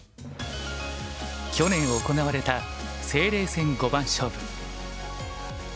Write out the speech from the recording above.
去年行われた清麗戦五番勝負。